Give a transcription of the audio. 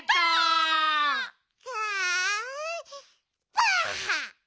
ばあっ！